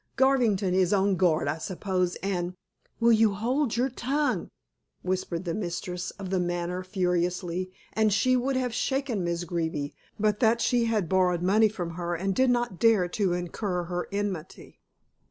Garvington is on guard I suppose, and " "Will you hold your tongue?" whispered the mistress of the Manor furiously, and she would have shaken Miss Greeby, but that she had borrowed money from her and did not dare to incur her enmity.